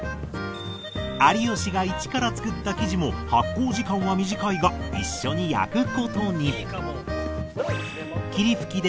有吉が一から作った生地も発酵時間は短いが一緒に焼く事に